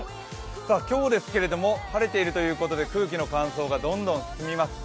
今日、晴れているということで空気の乾燥がどんどん進みます。